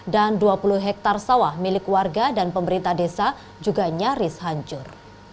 dan dua puluh hektare sawah milik warga dan pemerintah desa juga nyaris hancur